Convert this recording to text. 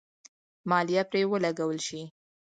مالیه پرې ولګول شي.